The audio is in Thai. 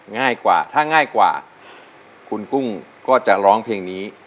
ง่ายกว่าถ้าง่ายกว่าคุณกุ้งก็จะร้องเพลงนี้